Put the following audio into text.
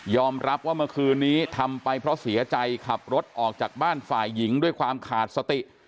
รับว่าเมื่อคืนนี้ทำไปเพราะเสียใจขับรถออกจากบ้านฝ่ายหญิงด้วยความขาดสติ